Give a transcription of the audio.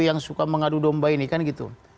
yang suka mengadu domba ini kan gitu